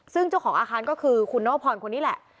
ซึ่งเจ้าของอาคารก็คือคุณนวพรคนนี้แหละ